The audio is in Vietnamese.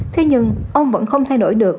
thế nhưng ông vẫn không thay đổi được